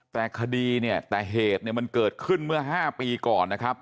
แต่คดีเนี่ยแต่เหตุเนี่ยมันเกิดขึ้นเมื่อ๕ปีก่อนนะครับ